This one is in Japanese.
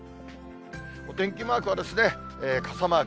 お天気マークは、傘マーク。